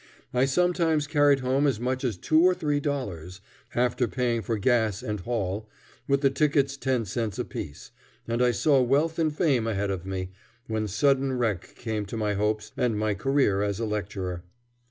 I sometimes carried home as much as two or three dollars, after paying for gas and hall, with the tickets ten cents apiece, and I saw wealth and fame ahead of me, when sudden wreck came to my hopes and my career as a lecturer.